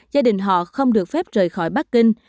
gia đình họ không được phép rời khỏi bắc kinh